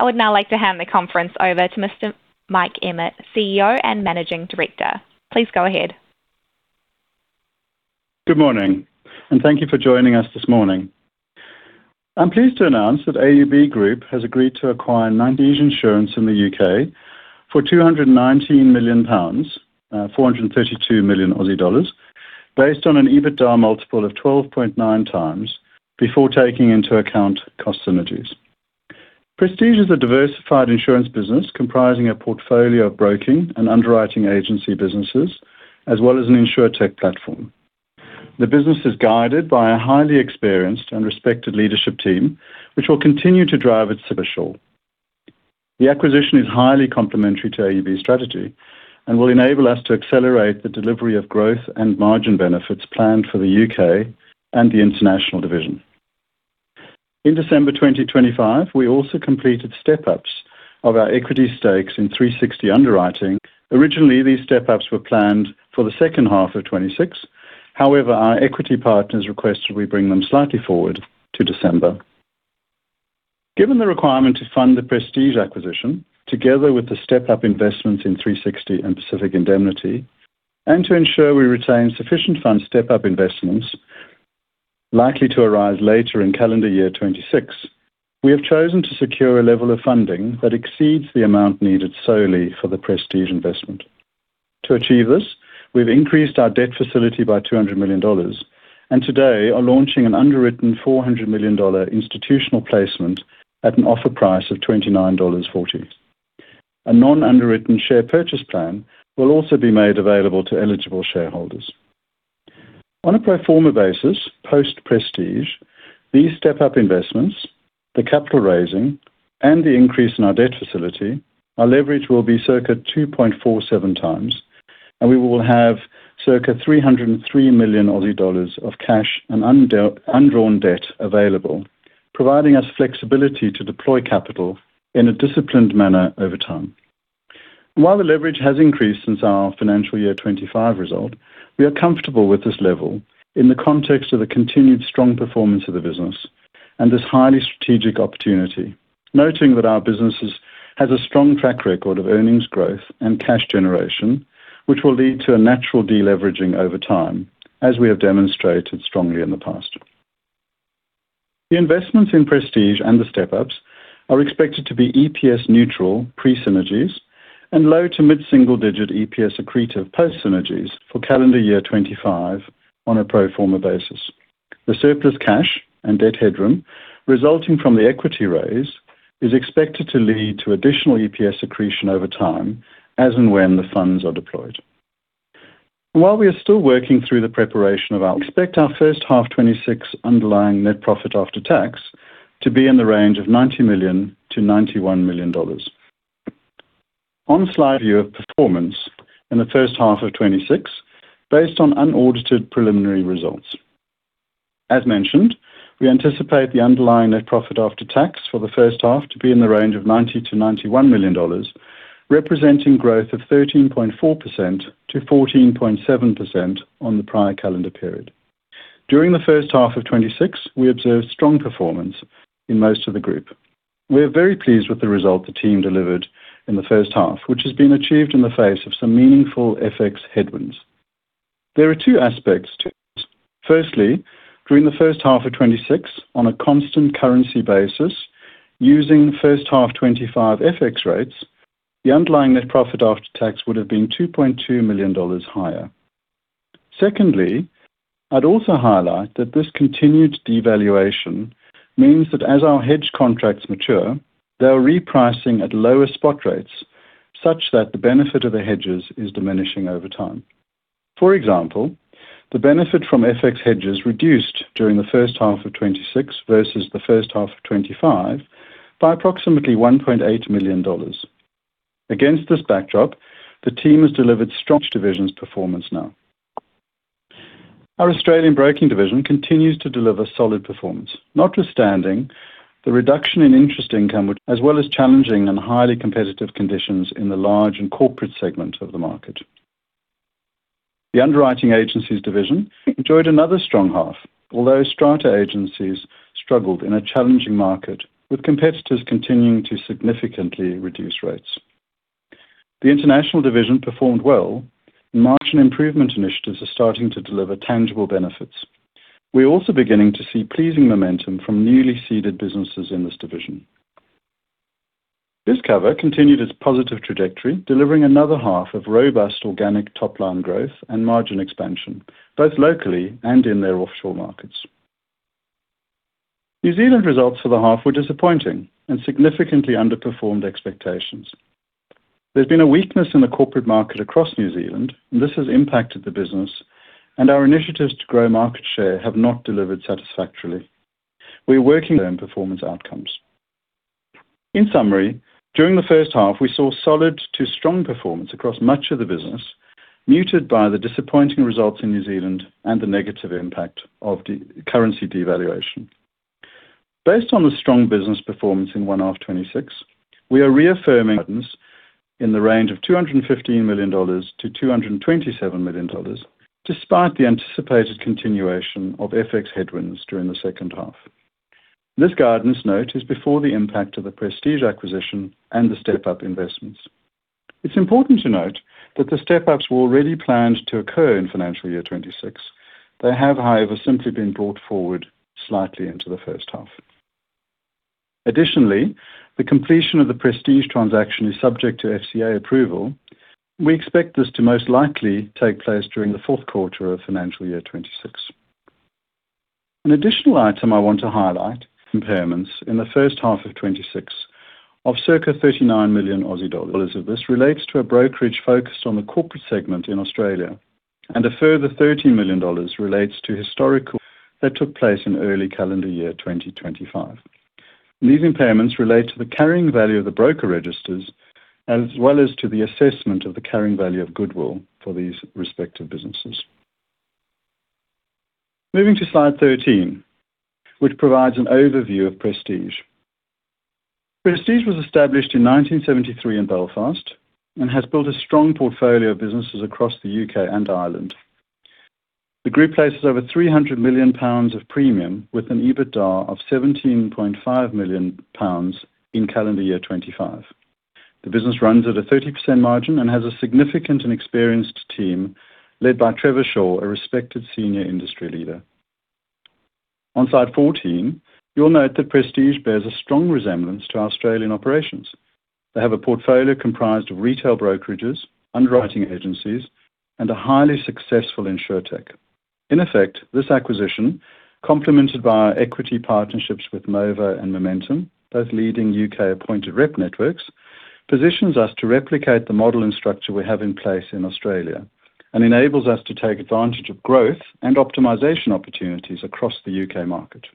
I would now like to hand the conference over to Mr. Mike Emmett, CEO and Managing Director. Please go ahead. Good morning, and thank you for joining us this morning. I'm pleased to announce that AUB Group has agreed to acquire Prestige Insurance Holdings in the U.K. for 219 million pounds, 432 million Aussie dollars, based on an EBITDA multiple of 12.9x before taking into account cost synergies. Prestige is a diversified insurance business comprising a portfolio of broking and underwriting agency businesses, as well as an insurtech platform. The business is guided by a highly experienced and respected leadership team, which will continue to drive its Coversure. The acquisition is highly complementary to AUB's strategy and will enable us to accelerate the delivery of growth and margin benefits planned for the U.K. and the International division. In December 2025, we also completed step-ups of our equity stakes in 360 Underwriting Solutions. Originally, these step-ups were planned for the second half of 2026; however, our equity partners requested we bring them slightly forward to December. Given the requirement to fund the Prestige acquisition together with the step-up investments in 360 and Pacific Indemnity, and to ensure we retain sufficient funds for step-up investments likely to arise later in calendar year 2026, we have chosen to secure a level of funding that exceeds the amount needed solely for the Prestige investment. To achieve this, we've increased our debt facility by $200 million, and today are launching an underwritten $400 million institutional placement at an offer price of $29.40. A non-underwritten share purchase plan will also be made available to eligible shareholders. On a pro forma basis, post-Prestige, these step-up investments, the capital raising, and the increase in our debt facility are leveraged, will be circa 2.47 times, and we will have circa 303 million Aussie dollars of cash and undrawn debt available, providing us flexibility to deploy capital in a disciplined manner over time. While the leverage has increased since our financial year 2025 result, we are comfortable with this level in the context of the continued strong performance of the business and this highly strategic opportunity, noting that our business has a strong track record of earnings growth and cash generation, which will lead to a natural deleveraging over time, as we have demonstrated strongly in the past. The investments in Prestige and the step-ups are expected to be EPS-neutral pre-synergies and low to mid-single-digit EPS accretive post-synergies for calendar year 2025 on a pro forma basis. The surplus cash and debt headroom resulting from the equity raise is expected to lead to additional EPS accretion over time, as and when the funds are deployed. While we are still working through the preparation of our expected first half 2026 underlying net profit after tax to be in the range of $90 million-$91 million. On slide 8, view of performance in the first half of 2026 based on unaudited preliminary results. As mentioned, we anticipate the underlying net profit after tax for the first half to be in the range of $90 million-$91 million, representing growth of 13.4%-14.7% on the prior calendar period. During the first half of 2026, we observed strong performance in most of the group. We are very pleased with the result the team delivered in the first half, which has been achieved in the face of some meaningful FX headwinds. There are two aspects to this. Firstly, during the first half of 2026, on a constant currency basis, using first half 2025 FX rates, the underlying net profit after tax would have been $2.2 million higher. Secondly, I'd also highlight that this continued devaluation means that as our hedge contracts mature, they are repricing at lower spot rates such that the benefit of the hedges is diminishing over time. For example, the benefit from FX hedges reduced during the first half of 2026 versus the first half of 2025 by approximately $1.8 million. Against this backdrop, the team has delivered strong divisional performance now. Our Australian Broking division continues to deliver solid performance, notwithstanding the reduction in interest income, as well as challenging and highly competitive conditions in the large and corporate segment of the market. The Underwriting Agencies division enjoyed another strong half, although strata agencies struggled in a challenging market with competitors continuing to significantly reduce rates. The International division performed well, and margin improvement initiatives are starting to deliver tangible benefits. We are also beginning to see pleasing momentum from newly seeded businesses in this division. BizCover continued its positive trajectory, delivering another half of robust organic top-line growth and margin expansion, both locally and in their offshore markets. New Zealand results for the half were disappointing and significantly underperformed expectations. There's been a weakness in the corporate market across New Zealand, and this has impacted the business, and our initiatives to grow market share have not delivered satisfactorily. We are working on performance outcomes. In summary, during the first half, we saw solid to strong performance across much of the business, muted by the disappointing results in New Zealand and the negative impact of currency devaluation. Based on the strong business performance in one half 2026, we are reaffirming guidance in the range of $215 million-$227 million, despite the anticipated continuation of FX headwinds during the second half. This guidance note is before the impact of the Prestige acquisition and the step-up investments. It's important to note that the step-ups were already planned to occur in financial year 2026. They have, however, simply been brought forward slightly into the first half. Additionally, the completion of the Prestige transaction is subject to FCA approval. We expect this to most likely take place during the fourth quarter of financial year 2026. An additional item I want to highlight. Impairments in the first half of 2026 of circa 39 million Aussie dollars of this relates to a brokerage focused on the corporate segment in Australia, and a further 30 million dollars relates to historical [acquisition] that took place in early calendar year 2025. These impairments relate to the carrying value of the broker registers, as well as to the assessment of the carrying value of Goodwill for these respective businesses. Moving to slide 13, which provides an overview of Prestige. Prestige was established in 1973 in Belfast and has built a strong portfolio of businesses across the U.K. and Ireland. The group places over 300 million pounds of premium with an EBITDA of 17.5 million pounds in calendar year 2025. The business runs at a 30% margin and has a significant and experienced team led by Trevor Shaw, a respected senior industry leader. On slide 14, you'll note that Prestige bears a strong resemblance to Australian operations. They have a portfolio comprised of retail brokerages, underwriting agencies, and a highly successful insurtech. In effect, this acquisition, complemented by our equity partnerships with Movo and Momentum, both leading U.K.-appointed rep networks, positions us to replicate the model and structure we have in place in Australia and enables us to take advantage of growth and optimization opportunities across the U.K. market.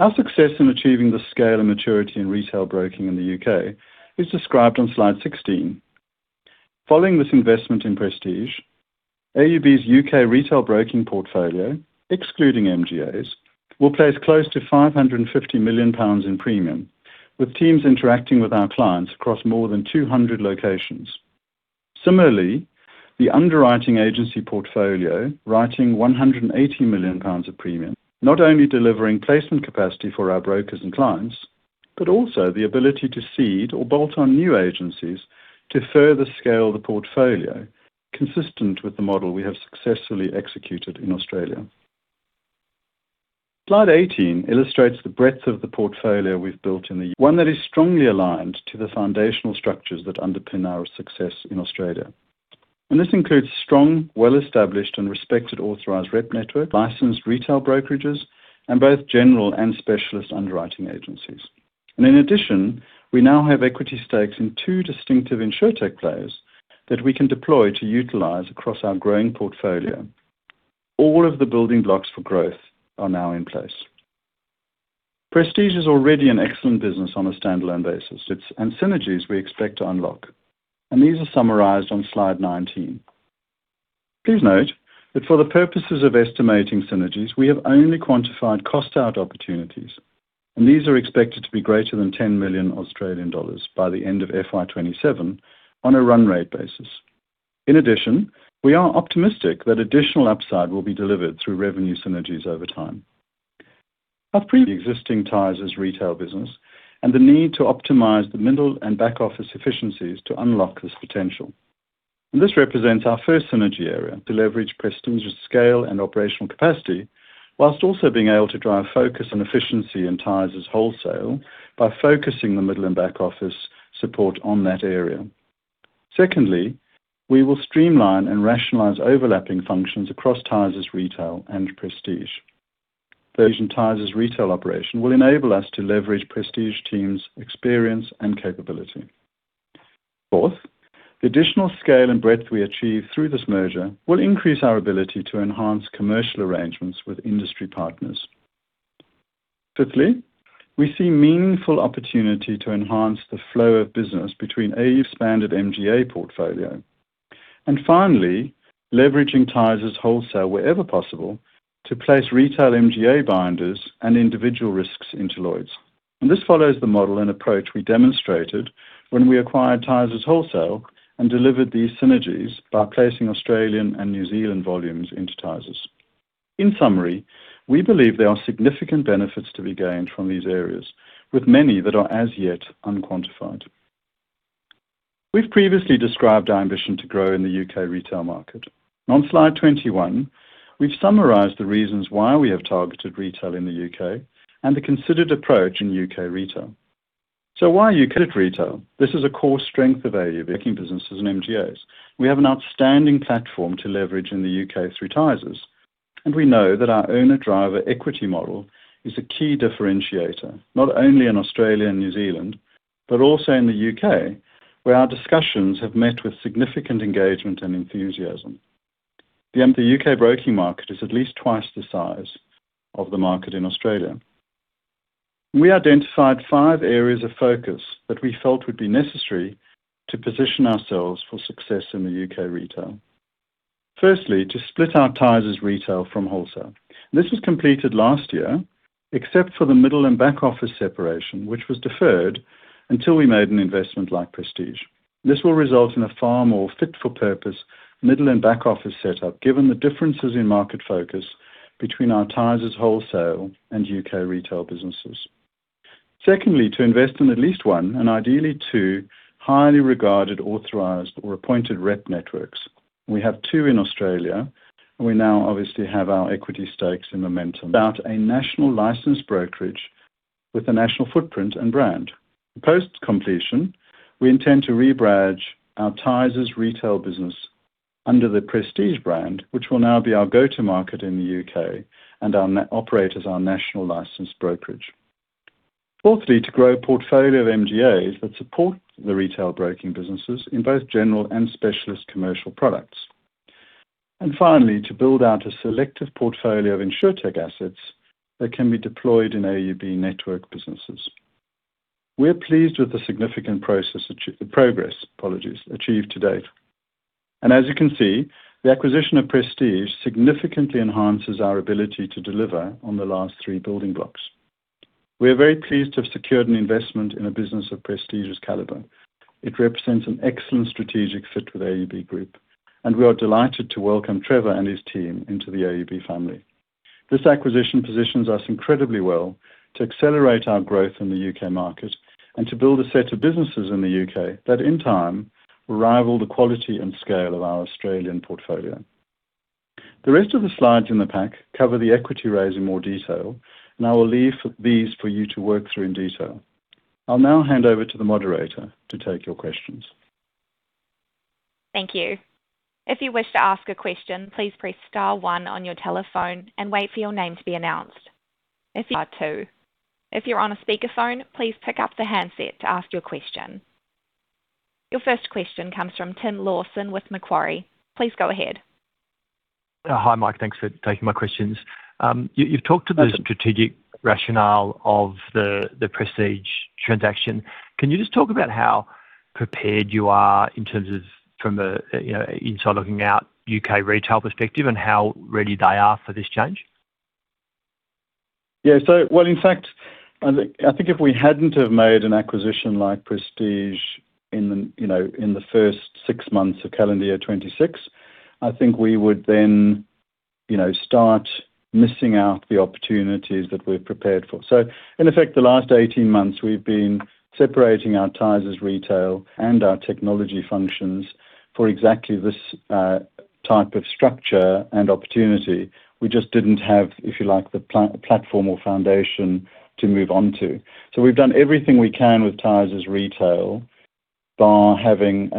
Our success in achieving the scale and maturity in retail broking in the U.K. is described on slide 16. Following this investment in Prestige, AUB's U.K. retail broking portfolio, excluding MGAs, will place close to 550 million pounds in premium, with teams interacting with our clients across more than 200 locations. Similarly, the underwriting agency portfolio, writing 180 million pounds of premium, not only delivering placement capacity for our brokers and clients, but also the ability to seed or bolt on new agencies to further scale the portfolio, consistent with the model we have successfully executed in Australia. Slide 18 illustrates the breadth of the portfolio we've built in the U.K., one that is strongly aligned to the foundational structures that underpin our success in Australia. This includes strong, well-established and respected authorized rep networks, licensed retail brokerages, and both general and specialist underwriting agencies. In addition, we now have equity stakes in two distinctive insurtech players that we can deploy to utilize across our growing portfolio. All of the building blocks for growth are now in place. Prestige is already an excellent business on a standalone basis. It’s the synergies we expect to unlock, and these are summarized on slide 19. Please note that for the purposes of estimating synergies, we have only quantified cost-out opportunities, and these are expected to be greater than $10 million by the end of FY 2027 on a run rate basis. In addition, we are optimistic that additional upside will be delivered through revenue synergies over time. Our pre-existing Tysers Retail business and the need to optimize the middle and back office efficiencies to unlock this potential. This represents our first synergy area to leverage Prestige’s scale and operational capacity, whilst also being able to drive focus and efficiency in Tysers Wholesale by focusing the middle and back office support on that area. Secondly, we will streamline and rationalize overlapping functions across Tysers Retail and Prestige. The existing Tysers Retail operation will enable us to leverage Prestige team's experience and capability. Fourth, the additional scale and breadth we achieve through this merger will increase our ability to enhance commercial arrangements with industry partners. Fifthly, we see meaningful opportunity to enhance the flow of business between AUB's expanded MGA portfolio. And finally, leveraging Tysers Wholesale wherever possible to place retail MGA binders and individual risks into Lloyd's. And this follows the model and approach we demonstrated when we acquired Tysers Wholesale and delivered these synergies by placing Australian and New Zealand volumes into Tysers. In summary, we believe there are significant benefits to be gained from these areas, with many that are as yet unquantified. We've previously described our ambition to grow in the U.K. retail market. On slide 21, we've summarized the reasons why we have targeted retail in the U.K. and the considered approach in U.K. retail. So why U.K. retail? This is a core strength of AUB making businesses and MGAs. We have an outstanding platform to leverage in the U.K. through Tysers, and we know that our owner-driver equity model is a key differentiator, not only in Australia and New Zealand, but also in the U.K., where our discussions have met with significant engagement and enthusiasm. The U.K. broking market is at least twice the size of the market in Australia. We identified five areas of focus that we felt would be necessary to position ourselves for success in the U.K. retail. Firstly, to split our Tysers Retail from Wholesale. This was completed last year, except for the middle and back office separation, which was deferred until we made an investment like Prestige. This will result in a far more fit-for-purpose middle and back office setup, given the differences in market focus between our Tysers Wholesale and U.K. retail businesses. Secondly, to invest in at least one and ideally two highly regarded authorized or appointed rep networks. We have two in Australia, and we now obviously have our equity stakes in Momentum [and] about a national licensed brokerage with a national footprint and brand. Post completion, we intend to rebadge our Tysers Retail business under the Prestige brand, which will now be our go-to-market in the U.K. and operate as our national licensed brokerage. Fourthly, to grow a portfolio of MGAs that support the retail broking businesses in both general and specialist commercial products. And finally, to build out a selective portfolio of insurtech assets that can be deployed in AUB network businesses. We're pleased with the significant process progress, apologies, achieved to date. And as you can see, the acquisition of Prestige significantly enhances our ability to deliver on the last three building blocks. We are very pleased to have secured an investment in a business of Prestige's caliber. It represents an excellent strategic fit with AUB Group, and we are delighted to welcome Trevor and his team into the AUB family. This acquisition positions us incredibly well to accelerate our growth in the U.K. market and to build a set of businesses in the U.K. that, in time, will rival the quality and scale of our Australian portfolio. The rest of the slides in the pack cover the equity raise in more detail, and I will leave these for you to work through in detail. I'll now hand over to the moderator to take your questions. Thank you. If you wish to ask a question, please press star one on your telephone and wait for your name to be announced. If you are on speakerphone, please pick up the handset to ask your question. Your first question comes from Tim Lawson with Macquarie. Please go ahead. Hi, Mike. Thanks for taking my questions. You've talked to the strategic rationale of the Prestige transaction. Can you just talk about how prepared you are in terms of from an inside-looking-out U.K. retail perspective and how ready they are for this change? Yeah. So, well, in fact, I think if we hadn't have made an acquisition like Prestige in the first six months of calendar year 2026, I think we would then start missing out the opportunities that we've prepared for. So, in effect, the last 18 months, we've been separating our Tysers Retail and our technology functions for exactly this type of structure and opportunity. We just didn't have, if you like, the platform or foundation to move on to. So we've done everything we can with Tysers Retail by having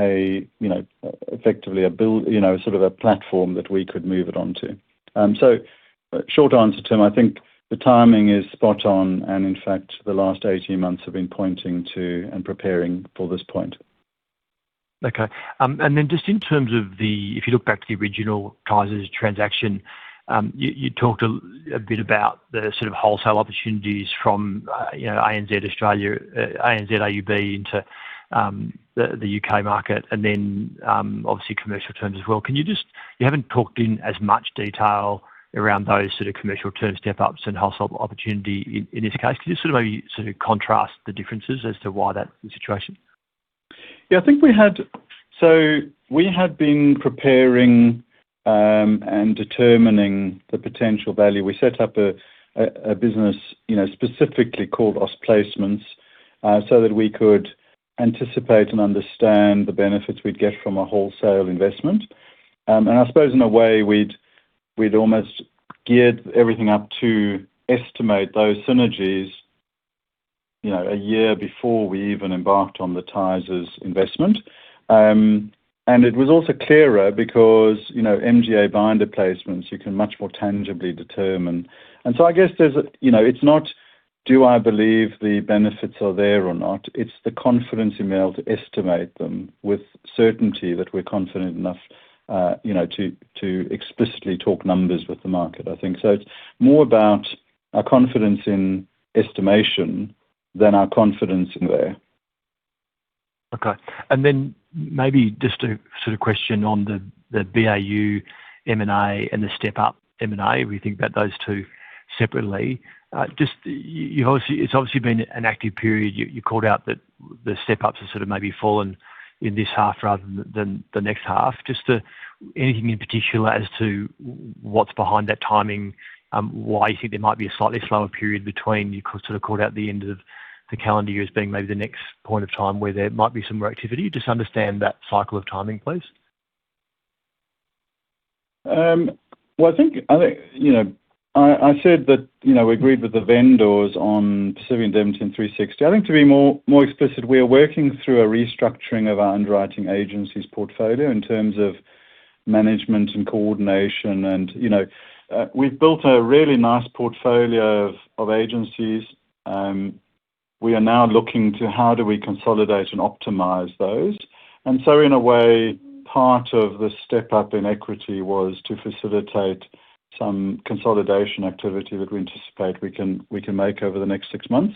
effectively a sort of a platform that we could move it on to. So, short answer, Tim, I think the timing is spot on, and in fact, the last 18 months have been pointing to and preparing for this point. Okay. And then just in terms of the, if you look back to the original Tysers transaction, you talked a bit about the sort of Wholesale opportunities from ANZ Australia, ANZ AUB into the U.K. market, and then obviously commercial terms as well. Can you just, you haven't talked in as much detail around those sort of commercial term step-ups and Wholesale opportunity in this case. Can you sort of maybe sort of contrast the differences as to why that's the situation? Yeah, I think we had, so we had been preparing and determining the potential value. We set up a business specifically called Austbrokers Placements so that we could anticipate and understand the benefits we'd get from a Wholesale investment. And I suppose in a way, we'd almost geared everything up to estimate those synergies a year before we even embarked on the Tysers investment. And it was also clearer because MGA binder placements, you can much more tangibly determine. And so I guess it's not, do I believe the benefits are there or not? It's the confidence in being able to estimate them with certainty that we're confident enough to explicitly talk numbers with the market, I think. So it's more about our confidence in estimation than our confidence in there. Okay. And then maybe just a sort of question on the BAU M&A and the step-up M&A. We think about those two separately. Just, it's obviously been an active period. You called out that the step-ups have sort of maybe fallen in this half rather than the next half. Just anything in particular as to what's behind that timing, why you think there might be a slightly slower period between you sort of called out the end of the calendar year as being maybe the next point of time where there might be some more activity. Just understand that cycle of timing, please. Well, I think I said that we agreed with the vendors on Pacific Indemnity and 360. I think to be more explicit, we are working through a restructuring of our underwriting agency's portfolio in terms of management and coordination. And we've built a really nice portfolio of agencies. We are now looking to how do we consolidate and optimize those. And so in a way, part of the step-up in equity was to facilitate some consolidation activity that we anticipate we can make over the next six months.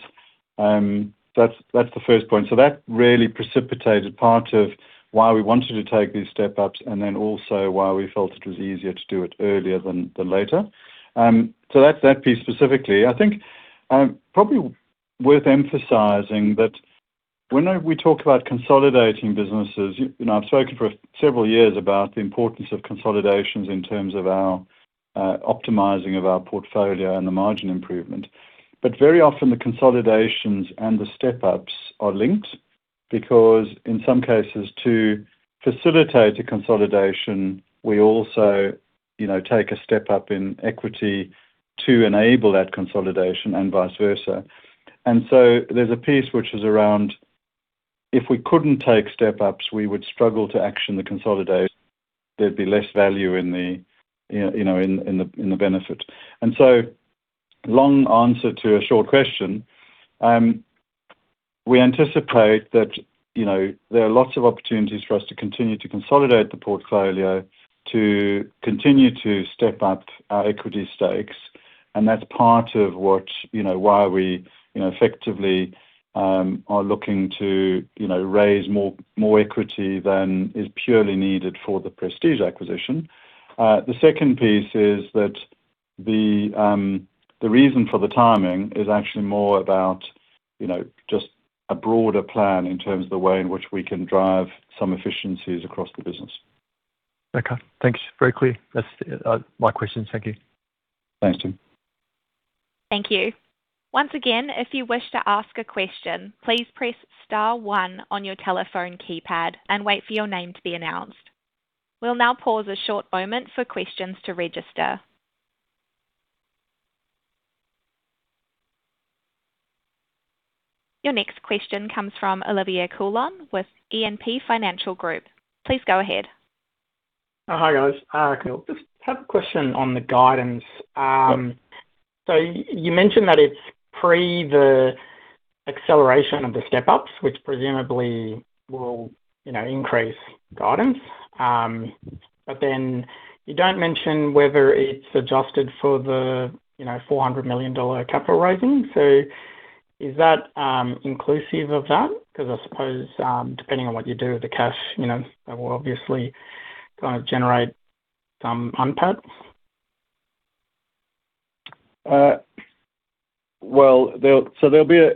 That's the first point. So that really precipitated part of why we wanted to take these step-ups and then also why we felt it was easier to do it earlier than later. So that piece specifically, I think probably worth emphasizing that when we talk about consolidating businesses, I've spoken for several years about the importance of consolidations in terms of our optimizing of our portfolio and the margin improvement. But very often, the consolidations and the step-ups are linked because in some cases, to facilitate a consolidation, we also take a step-up in equity to enable that consolidation and vice versa. And so there's a piece which is around if we couldn't take step-ups, we would struggle to action the consolidation. There'd be less value in the benefit. And so, long answer to a short question, we anticipate that there are lots of opportunities for us to continue to consolidate the portfolio, to continue to step up our equity stakes. And that's part of why we effectively are looking to raise more equity than is purely needed for the Prestige acquisition. The second piece is that the reason for the timing is actually more about just a broader plan in terms of the way in which we can drive some efficiencies across the business. Okay. Thanks. Very clear. That's my questions. Thank you. Thanks, Tim. Thank you. Once again, if you wish to ask a question, please press star one on your telephone keypad and wait for your name to be announced. We'll now pause a short moment for questions to register. Your next question comes from Olivier Coulon with E&P Financial Group. Please go ahead. Hi, guys. Just have a question on the guidance. So you mentioned that it's pre the acceleration of the step-ups, which presumably will increase guidance. But then you don't mention whether it's adjusted for the $400 million capital raising. So is that inclusive of that? Because I suppose depending on what you do with the cash, that will obviously kind of generate some NPAT. Well, so there'll be a,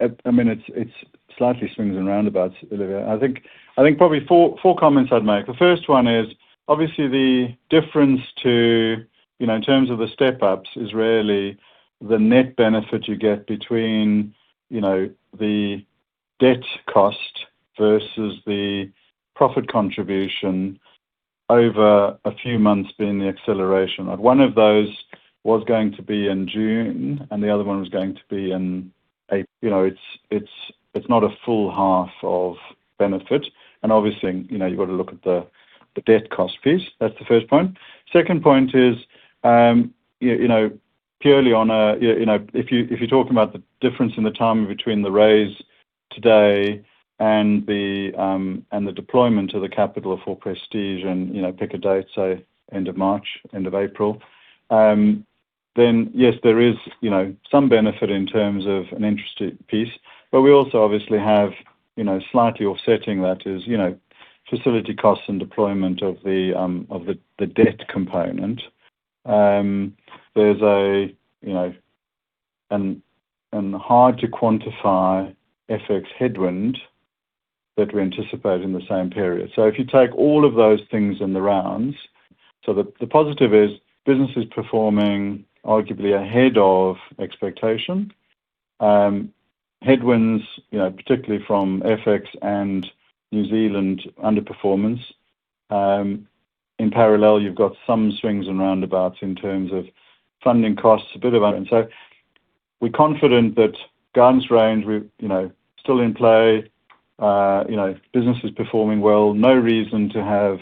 I mean, it's slightly swings and roundabouts, Olivier. I think probably four comments I'd make. The first one is obviously the difference to, in terms of the step-ups, is really the net benefit you get between the debt cost versus the profit contribution over a few months being the acceleration. One of those was going to be in June, and the other one was going to be in April. It's not a full half of benefit. Obviously, you've got to look at the debt cost piece. That's the first point. Second point is purely on a, if you're talking about the difference in the time between the raise today and the deployment of the capital for Prestige and pick a date, say, end of March, end of April, then yes, there is some benefit in terms of an interest piece. But we also obviously have slightly offsetting that is facility costs and deployment of the debt component. There's a hard-to-quantify FX headwind that we anticipate in the same period. So if you take all of those things in the rounds, so the positive is business is performing arguably ahead of expectation. Headwinds, particularly from FX and New Zealand underperformance. In parallel, you've got some swings and roundabouts in terms of funding costs, a bit of. And so we're confident that guidance range is still in play. Business is performing well. No reason to have,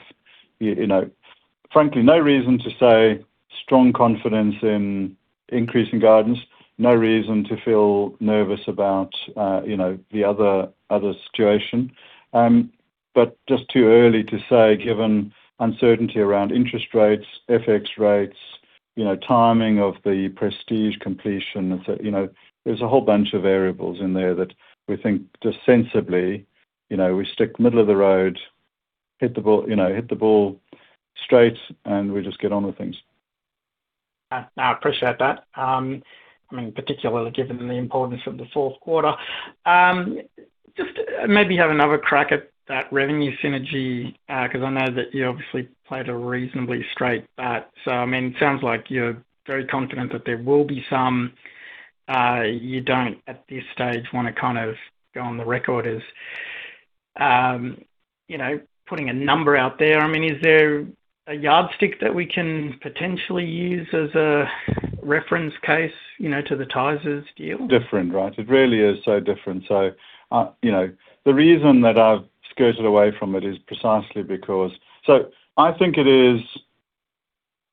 frankly, no reason to say strong confidence in increasing guidance. No reason to feel nervous about the other situation. But just too early to say, given uncertainty around interest rates, FX rates, timing of the Prestige completion, et cetera. There's a whole bunch of variables in there that we think just sensibly we stick middle of the road, hit the ball straight, and we just get on with things. I appreciate that. I mean, particularly given the importance of the fourth quarter. Just maybe have another crack at that revenue synergy because I know that you obviously played a reasonably straight bet. So, I mean, it sounds like you're very confident that there will be some. You don't, at this stage, want to kind of go on the record as putting a number out there. I mean, is there a yardstick that we can potentially use as a reference case to the Tysers deal? Different, right? It really is so different. So the reason that I've skirted away from it is precisely because I think it is,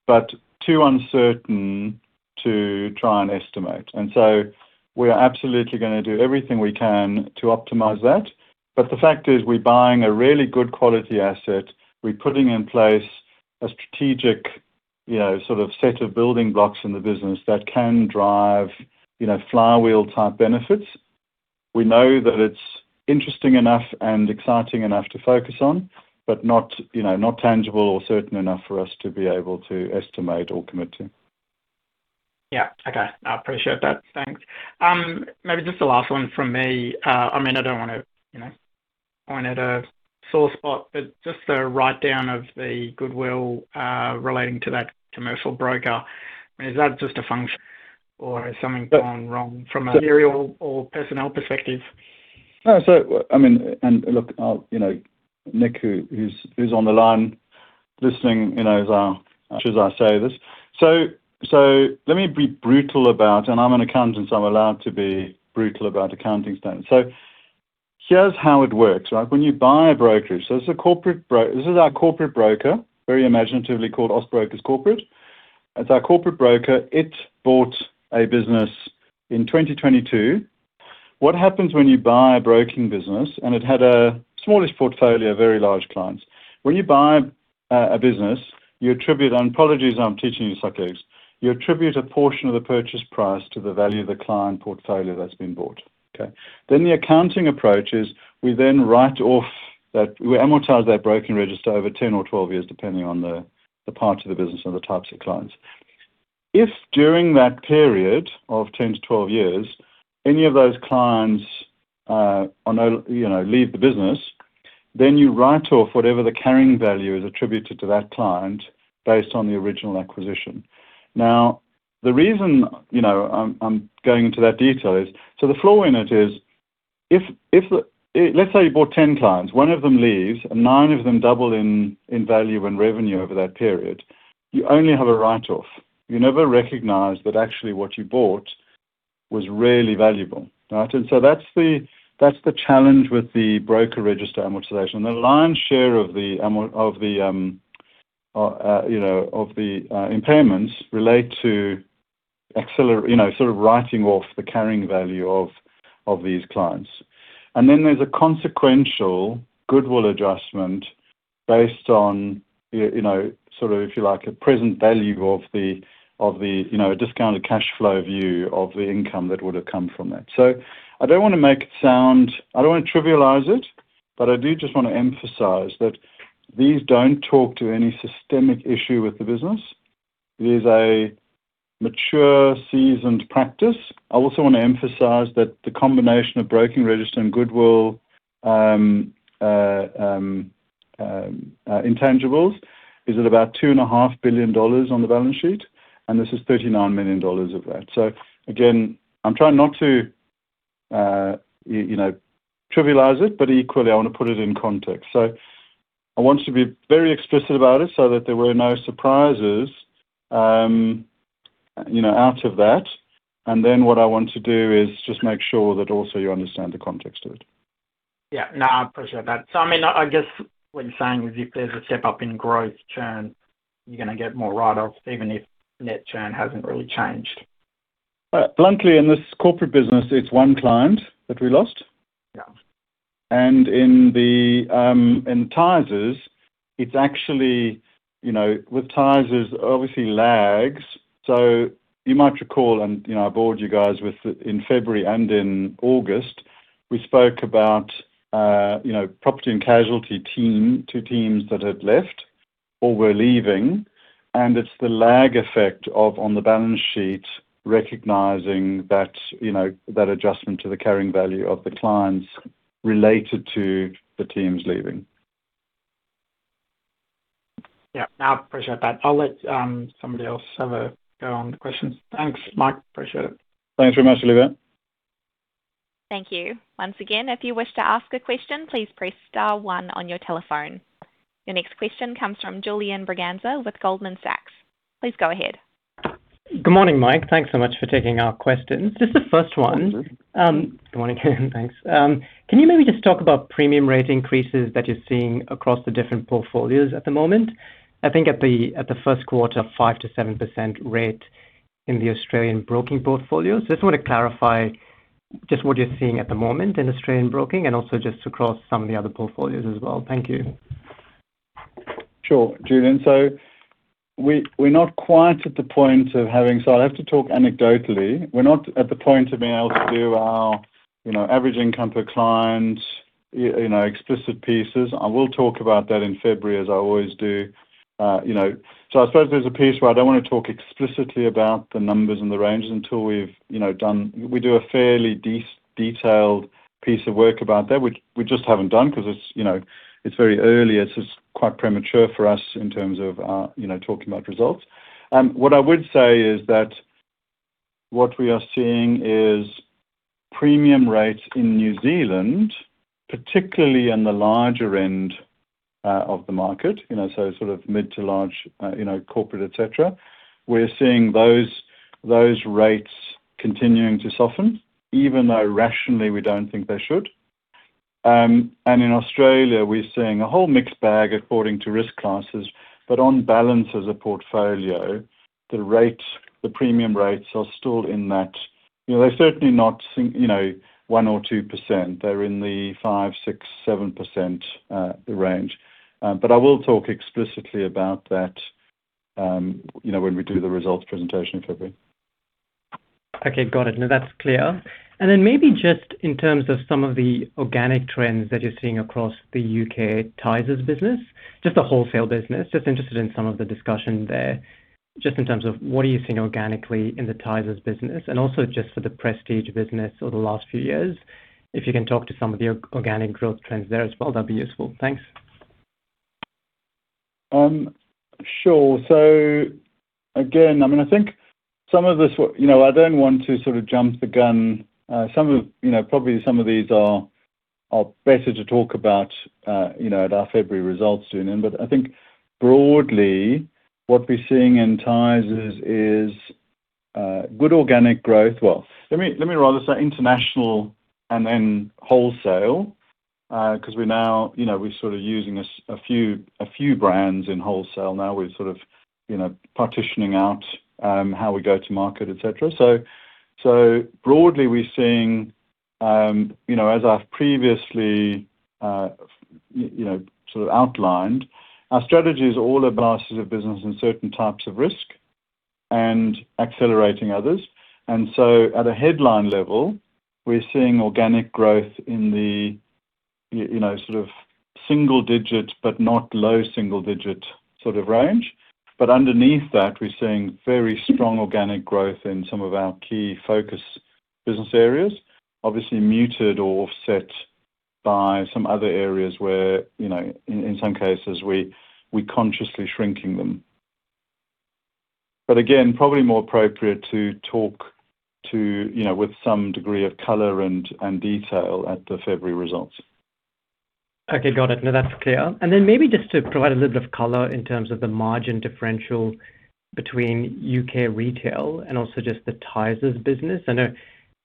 but too uncertain to try and estimate. And so we're absolutely going to do everything we can to optimize that. But the fact is we're buying a really good quality asset. We're putting in place a strategic sort of set of building blocks in the business that can drive flywheel-type benefits. We know that it's interesting enough and exciting enough to focus on, but not tangible or certain enough for us to be able to estimate or commit to. Yeah. Okay. I appreciate that. Thanks. Maybe just the last one from me. I mean, I don't want to point at a sore spot, but just the write-down of the goodwill relating to that commercial broker. I mean, is that just a function or has something gone wrong from a material or personnel perspective? No. So, I mean, and look, Nick, who's on the line listening as I say this. So let me be brutal about, and I'm an accountant. I'm allowed to be brutal about accounting standards. So here's how it works, right? When you buy a brokerage, so this is our corporate broker, very imaginatively called Austbrokers Corporate. It's our corporate broker. It bought a business in 2022. What happens when you buy a broking business, and it had a smallish portfolio, very large clients? When you buy a business, you attribute, and apologies if I'm teaching you basics, you attribute a portion of the purchase price to the value of the client portfolio that's been bought. Okay? Then the accounting approach is we then write off that we amortize that broking register over 10 or 12 years, depending on the part of the business and the types of clients. If during that period of 10-12 years, any of those clients leave the business, then you write off whatever the carrying value is attributed to that client based on the original acquisition. Now, the reason I'm going into that detail is, so the flaw in it is if let's say you bought 10 clients, one of them leaves, and nine of them double in value and revenue over that period, you only have a write-off. You never recognize that actually what you bought was really valuable, right? So that's the challenge with the broker register amortization. The lion's share of the impairments relate to sort of writing off the carrying value of these clients. And then there's a consequential goodwill adjustment based on sort of, if you like, a present value of the discounted cash flow view of the income that would have come from it. So I don't want to make it sound, I don't want to trivialize it, but I do just want to emphasize that these don't talk to any systemic issue with the business. It is a mature, seasoned practice. I also want to emphasize that the combination of broking register and goodwill intangibles is at about $2.5 billion on the balance sheet, and this is $39 million of that. So again, I'm trying not to trivialize it, but equally, I want to put it in context. So I want to be very explicit about it so that there were no surprises out of that. And then what I want to do is just make sure that also you understand the context of it. Yeah. No, I appreciate that. So I mean, I guess what you're saying is if there's a step-up in growth churn, you're going to get more write-offs even if net churn hasn't really changed. Frankly, in this corporate business, it's one client that we lost. And in Tysers, it's actually with Tysers, obviously, lags. So you might recall, and I bored you guys with in February and in August, we spoke about property and casualty team, two teams that had left or were leaving. And it's the lag effect of, on the balance sheet, recognizing that adjustment to the carrying value of the clients related to the teams leaving. Yeah. I appreciate that. I'll let somebody else have a go on the questions. Thanks, Mike. Appreciate it. Thanks very much, Olivier. Thank you. Once again, if you wish to ask a question, please press star one on your telephone. Your next question comes from Julian Braganza with Goldman Sachs. Please go ahead. Good morning, Mike. Thanks so much for taking our questions. Just the first one. Good morning. Thanks. Can you maybe just talk about premium rate increases that you're seeing across the different portfolios at the moment? I think at the first quarter, 5%-7% rate in the Australian broking portfolio. So I just want to clarify just what you're seeing at the moment in Australian broking and also just across some of the other portfolios as well. Thank you. Sure, Julian. So we're not quite at the point of having, so I'll have to talk anecdotally. We're not at the point of being able to do our average income per client explicit pieces. I will talk about that in February as I always do. So I suppose there's a piece where I don't want to talk explicitly about the numbers and the ranges until we've done, we do a fairly detailed piece of work about that. We just haven't done because it's very early. It's quite premature for us in terms of talking about results. What I would say is that what we are seeing is premium rates in New Zealand, particularly in the larger end of the market, so sort of mid to large corporate, et cetera, we're seeing those rates continuing to soften even though rationally we don't think they should. And in Australia, we're seeing a whole mixed bag according to risk classes. But on balance as a portfolio, the premium rates are still in that - they're certainly not 1% or 2%. They're in the 5%, 6%, 7% range. But I will talk explicitly about that when we do the results presentation in February. Okay. Got it. No, that's clear. And then maybe just in terms of some of the organic trends that you're seeing across the U.K. Tysers business, just the Wholesale business, just interested in some of the discussion there, just in terms of what are you seeing organically in the Tysers business and also just for the Prestige business over the last few years, if you can talk to some of the organic growth trends there as well, that'd be useful. Thanks. Sure. So again, I mean, I think some of this, I don't want to sort of jump the gun. Probably some of these are better to talk about at our February results soon in. But I think broadly, what we're seeing in Tysers is good organic growth. Well, let me rather say international and then Wholesale because we're now, we're sort of using a few brands in Wholesale now. We're sort of partitioning out how we go to market, et cetera. So broadly, we're seeing, as I've previously sort of outlined, our strategy is all classes of business and certain types of risk and accelerating others. And so at a headline level, we're seeing organic growth in the sort of single-digit but not low single-digit sort of range. But underneath that, we're seeing very strong organic growth in some of our key focus business areas, obviously muted or offset by some other areas where in some cases we consciously shrinking them. But again, probably more appropriate to talk to with some degree of color and detail at the February results. Okay. Got it. No, that's clear. And then maybe just to provide a little bit of color in terms of the margin differential between U.K. retail and also just the Tysers business. I know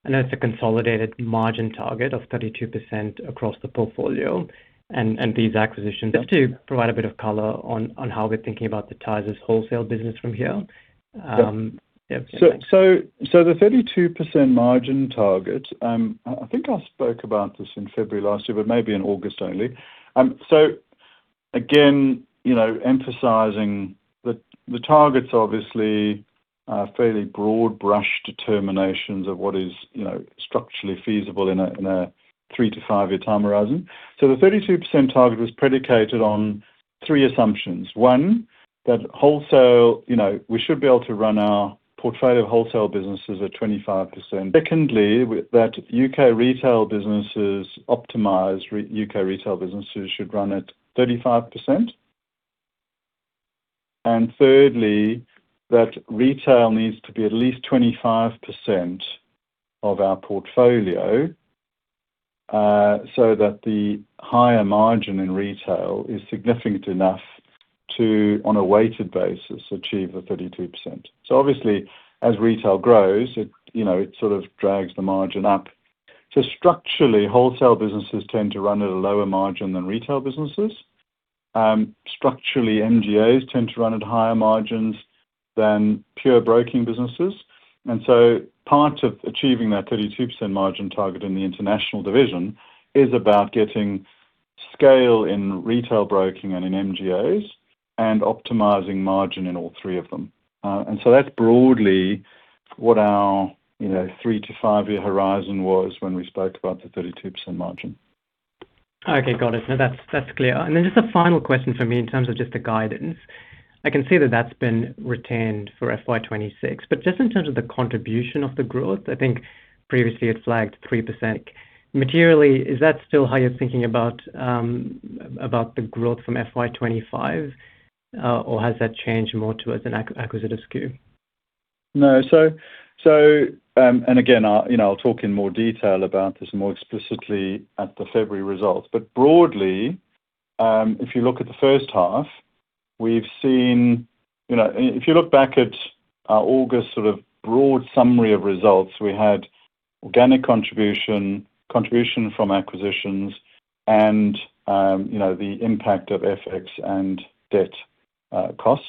it's a consolidated margin target of 32% across the portfolio and these acquisitions. Just to provide a bit of color on how we're thinking about the Tysers Wholesale business from here. Yeah. So the 32% margin target, I think I spoke about this in February last year, but maybe in August only. So again, emphasizing the targets are obviously fairly broad brush determinations of what is structurally feasible in a three to five year time horizon. So the 32% target was predicated on three assumptions. One, that Wholesale, we should be able to run our portfolio of Wholesale businesses at 25%. Secondly, that U.K. retail businesses, optimized U.K. retail businesses, should run at 35%. And thirdly, that retail needs to be at least 25% of our portfolio so that the higher margin in retail is significant enough to, on a weighted basis, achieve the 32%. So obviously, as retail grows, it sort of drags the margin up. Structurally, Wholesale businesses tend to run at a lower margin than retail businesses. Structurally, MGAs tend to run at higher margins than pure broking businesses. Part of achieving that 32% margin target in the International division is about getting scale in retail broking and in MGAs and optimizing margin in all three of them. That's broadly what our three to five year horizon was when we spoke about the 32% margin. Okay. Got it. No, that's clear. Then just a final question for me in terms of just the guidance. I can see that that's been retained for FY 2026. But just in terms of the contribution of the growth, I think previously it flagged 3%. Materially, is that still how you're thinking about the growth from FY 2025, or has that changed more towards an acquisitive skew? No. And again, I'll talk in more detail about this more explicitly at the February results. But broadly, if you look at the first half, we've seen, if you look back at our August sort of broad summary of results, we had organic contribution, contribution from acquisitions, and the impact of FX and debt costs.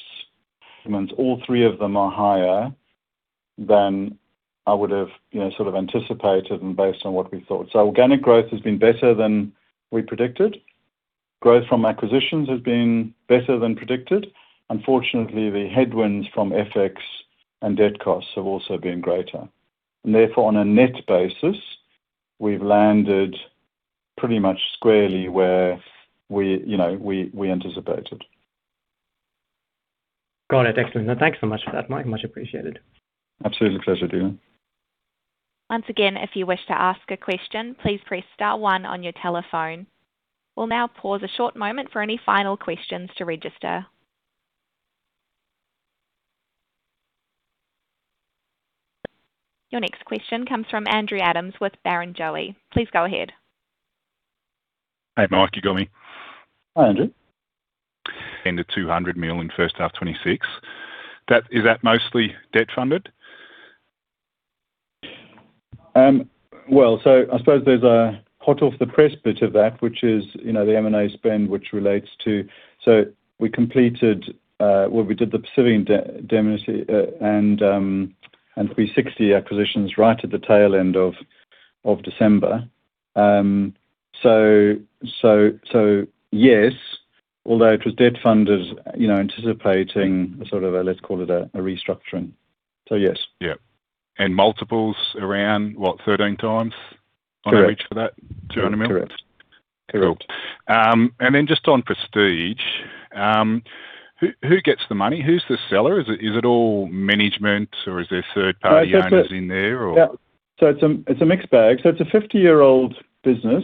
All three of them are higher than I would have sort of anticipated and based on what we thought. So organic growth has been better than we predicted. Growth from acquisitions has been better than predicted. Unfortunately, the headwinds from FX and debt costs have also been greater. And therefore, on a net basis, we've landed pretty much squarely where we anticipated. Got it. Excellent. No, thanks so much for that, Mike. Much appreciated. Absolutely a pleasure, Julian. Once again, if you wish to ask a question, please press star one on your telephone. We'll now pause a short moment for any final questions to register. Your next question comes from Andrew Adams with Barrenjoey. Please go ahead. Hi, Mike. You got me? Hi, Andrew. The $200 million in first half 2026. Is that mostly debt funded? Well, so I suppose there's a hot off the press bit of that, which is the M&A spend, which relates to so we completed where we did the Pacific and 360 acquisitions right at the tail end of December. So yes, although it was debt funded, anticipating sort of a, let's call it a restructuring. So yes. Yeah. And multiples around, what, 13x on average for that $200 million? Correct. Correct. And then just on Prestige, who gets the money? Who's the seller? Is it all management, or is there third-party owners in there, or? So it's a mixed bag. So it's a 50-year-old business.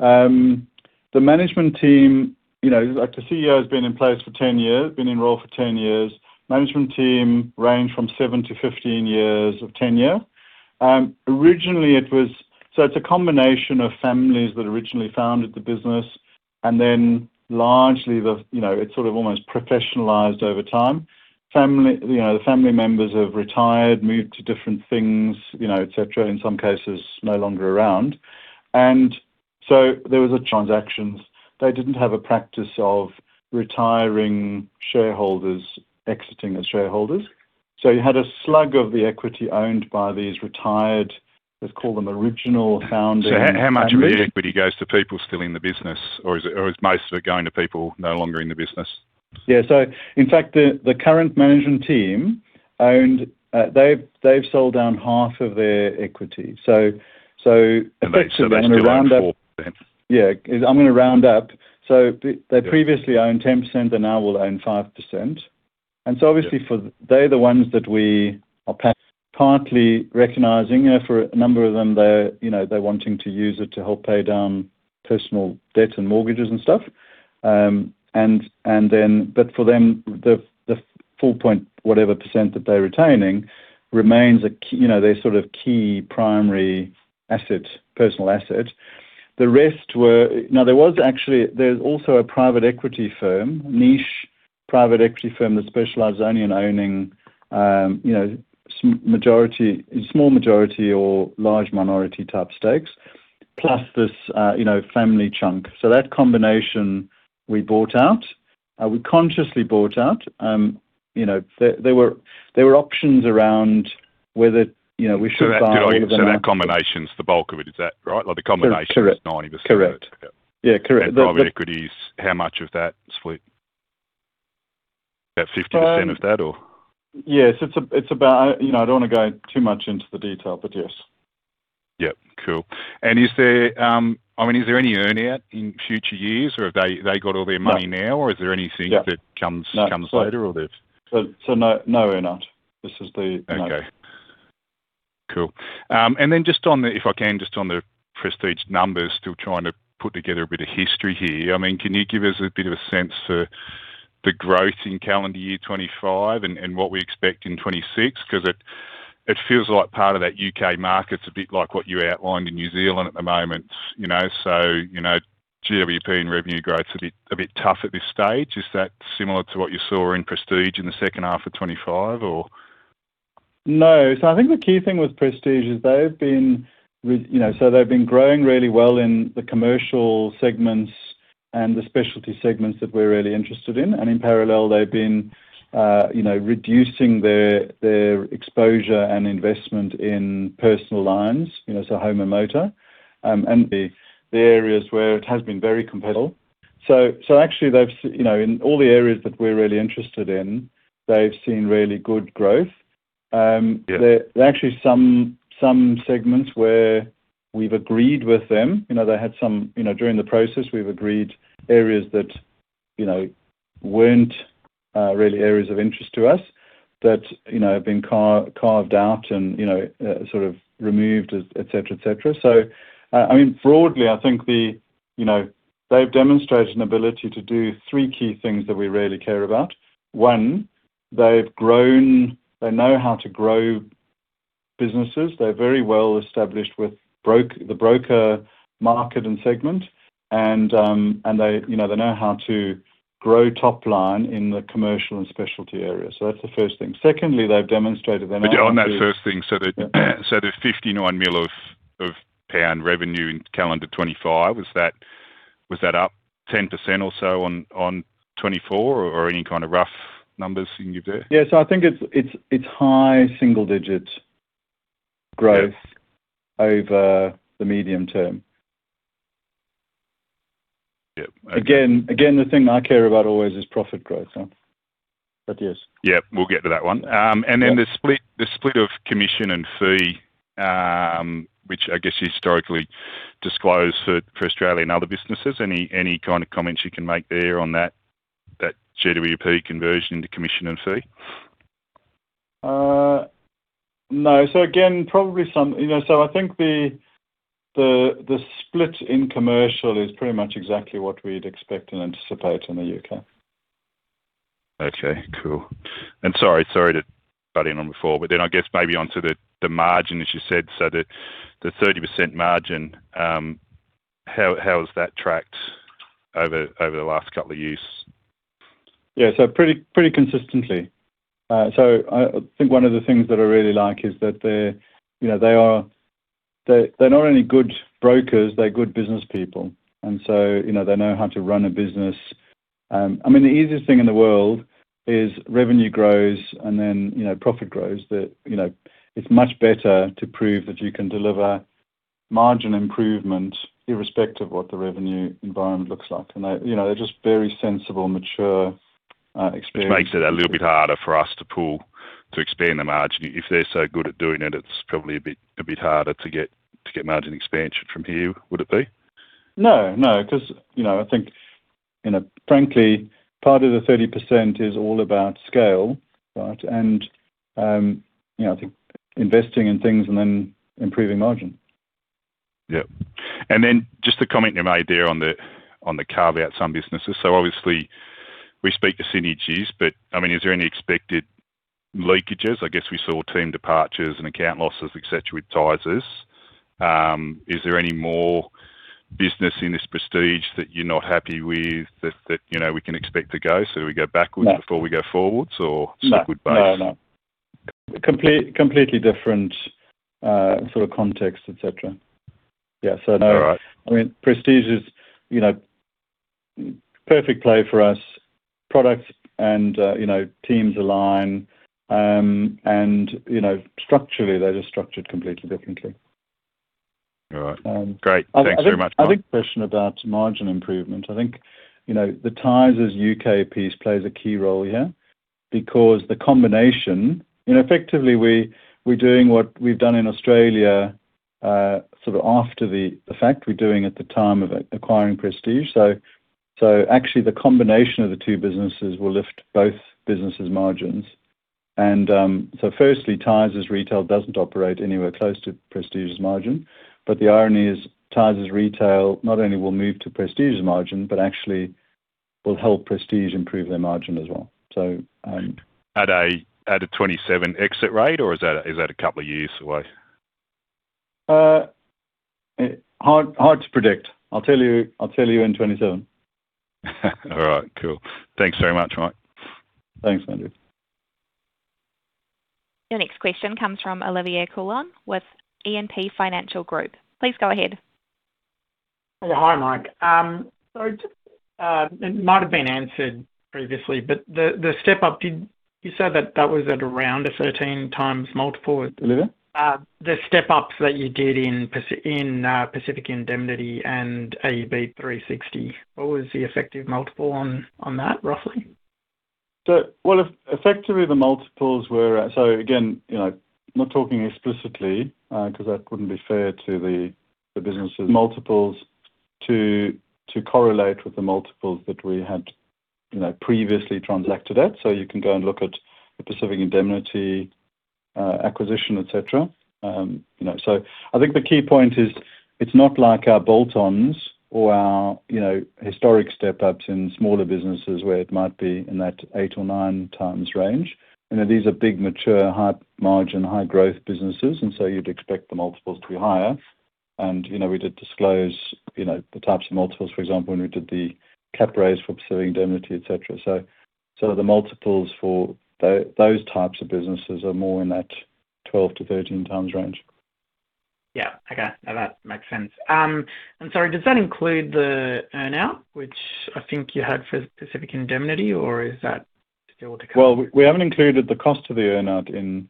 The management team, the CEO has been in place for 10 years, been in role for 10 years. Management team range from seven to 15 years of tenure. Originally, it was so it's a combination of families that originally founded the business, and then largely, it's sort of almost professionalized over time. The family members have retired, moved to different things, et cetera, in some cases no longer around. And so there was a transactions. They didn't have a practice of retiring shareholders, exiting as shareholders. So you had a slug of the equity owned by these retired, let's call them original founders. So how much of the equity goes to people still in the business, or is most of it going to people no longer in the business? Yeah. So in fact, the current management team owned, they've sold down half of their equity. So effectively, I'm going to round up. Yeah. I'm going to round up. So they previously owned 10%. They now will own 5%. And so obviously, they're the ones that we are partly recognizing. For a number of them, they're wanting to use it to help pay down personal debt and mortgages and stuff. But for them, the full point, whatever percent that they're retaining remains their sort of key primary asset, personal asset. The rest were now, there was actually there's also a private equity firm, niche private equity firm that specialized only in owning small majority or large minority type stakes, plus this family chunk. So that combination we bought out. We consciously bought out. There were options around whether we should buy all of them. So that combination's the bulk of it, is that right? Like the combination is 90%. Correct. Correct. Yeah. Correct. The private equity's how much of that split? About 50% of that, or? Yeah. So it's about I don't want to go too much into the detail, but yes. Yeah. Cool. And I mean, is there any earning in future years, or have they got all their money now, or is there anything that comes later, or they've? So no or not. This is the no. Okay. Cool. And then just on the if I can, just on the Prestige numbers, still trying to put together a bit of history here. I mean, can you give us a bit of a sense for the growth in calendar year 2025 and what we expect in 2026? Because it feels like part of that U.K. market's a bit like what you outlined in New Zealand at the moment. So GWP and revenue growth's a bit tough at this stage. Is that similar to what you saw in Prestige in the second half of 2025, or? No. So I think the key thing with Prestige is they've been growing really well in the commercial segments and the specialty segments that we're really interested in. And in parallel, they've been reducing their exposure and investment in personal lines, so home and motor. And the areas where it has been very competitive. So actually, in all the areas that we're really interested in, they've seen really good growth. There are actually some segments where we've agreed with them. They had some during the process, we've agreed areas that weren't really areas of interest to us that have been carved out and sort of removed, et cetera, et cetera. So I mean, broadly, I think they've demonstrated an ability to do three key things that we really care about. One, they've grown they know how to grow businesses. They're very well established with the broker market and segment, and they know how to grow top line in the commercial and specialty areas. So that's the first thing. Secondly, they've demonstrated they're not. On that first thing, so the 59 million pound revenue in calendar 2025, was that up 10% or so on 2024, or any kind of rough numbers you can give there? Yeah. So I think it's high single-digit growth over the medium term. Again, the thing I care about always is profit growth, but yes. Yeah. We'll get to that one. Then the split of commission and fee, which I guess you historically disclosed for Australia and other businesses. Any kind of comments you can make there on that GWP conversion into commission and fee? No. So again, probably some so I think the split in commercial is pretty much exactly what we'd expect and anticipate in the U.K. Okay. Cool. Sorry, sorry to cut in on before, but then I guess maybe onto the margin, as you said. The 30% margin, how has that tracked over the last couple of years? Yeah. Pretty consistently. I think one of the things that I really like is that they are not only good brokers, they're good business people. So they know how to run a business. I mean, the easiest thing in the world is revenue grows and then profit grows. It's much better to prove that you can deliver margin improvement irrespective of what the revenue environment looks like. And they're just very sensible, mature experience. Which makes it a little bit harder for us to expand the margin. If they're so good at doing it, it's probably a bit harder to get margin expansion from here, would it be? No. No. Because I think, frankly, part of the 30% is all about scale, right, and I think investing in things and then improving margin. Yeah. And then just the comment you made there on the carve-out some businesses. So obviously, we speak to synergies, but I mean, is there any expected leakages? I guess we saw team departures and account losses, et cetera, with Tysers. Is there any more business in this Prestige that you're not happy with that we can expect to go so we go backwards before we go forwards, or squeezed based? No. No. No. Completely different sort of context, et cetera. Yeah. So no. I mean, Prestige is perfect play for us. Products and teams align. And structurally, they're just structured completely differently. All right. Great. Thanks very much, Mike. I think question about margin improvement. I think the Tysers U.K. piece plays a key role here because the combination effectively, we're doing what we've done in Australia sort of after the fact. We're doing at the time of acquiring Prestige. So actually, the combination of the two businesses will lift both businesses' margins. And so firstly, Tysers Retail doesn't operate anywhere close to Prestige's margin. But the irony is Tysers Retail not only will move to Prestige's margin, but actually will help Prestige improve their margin as well. So at a 2027 exit rate, or is that a couple of years away? Hard to predict. I'll tell you in 2027. All right. Cool. Thanks very much, Mike. Thanks, Andrew. Your next question comes from Olivier Coulon with E&P Financial Group. Please go ahead. Hi, Mike. So it might have been answered previously, but the step-up, you said that that was at around a 13x multiple. Olivier? The step-ups that you did in Pacific Indemnity and 360, what was the effective multiple on that, roughly? So effectively, the multiples were so again, not talking explicitly because that wouldn't be fair to the businesses. Multiples to correlate with the multiples that we had previously transacted at. So you can go and look at the Pacific Indemnity acquisition, et cetera. So I think the key point is it's not like our bolt-ons or our historic step-ups in smaller businesses where it might be in that 8x or 9x range. These are big mature, high margin, high growth businesses, and so you'd expect the multiples to be higher. And we did disclose the types of multiples, for example, when we did the cap raise for Pacific Indemnity, et cetera. So the multiples for those types of businesses are more in that 12x-13x range. Yeah. Okay. That makes sense. And sorry, does that include the earnout, which I think you had for Pacific Indemnity, or is that still to come? Well, we haven't included the cost of the earnout in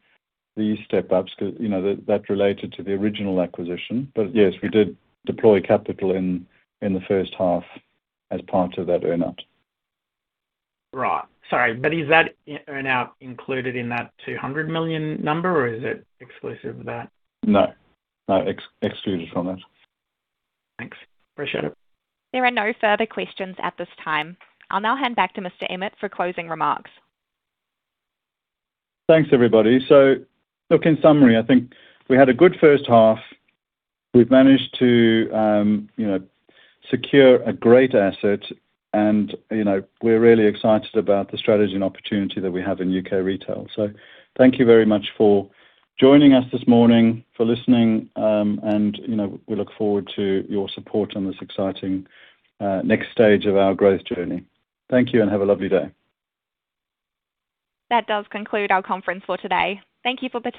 these step-ups because that related to the original acquisition. But yes, we did deploy capital in the first half as part of that earnout. Right. Sorry. But is that earnout included in that $200 million number, or is it exclusive of that? No. No. Excluded from that. Thanks. Appreciate it. There are no further questions at this time. I'll now hand back to Mr. Emmett for closing remarks. Thanks, everybody. So look, in summary, I think we had a good first half. We've managed to secure a great asset, and we're really excited about the strategy and opportunity that we have in U.K. retail. So thank you very much for joining us this morning, for listening, and we look forward to your support on this exciting next stage of our growth journey. Thank you and have a lovely day. That does conclude our conference for today. Thank you for.